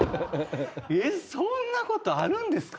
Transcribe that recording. そんなことあるんですか